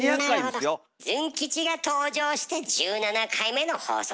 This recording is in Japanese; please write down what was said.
ズン吉が登場して１７回目の放送です。